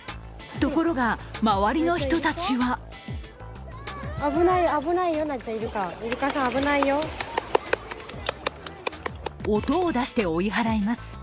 ところが、周りの人たちは音を出して追い払います。